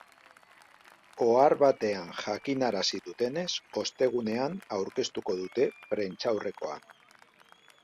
Ohar batean jakinarazi dutenez, ostegunean aurkeztuko dute prentsaurrekoan.